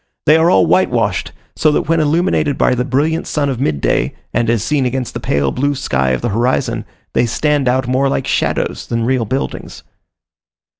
They are all whitewashed; so that when illumined by the brilliant sun of midday, and as seen against the pale blue sky of the horizon, they stand out more like shadows than real buildings.